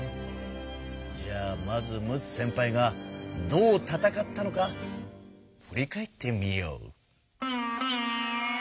じゃあまず陸奥先輩がどうたたかったのかふり返ってみよう。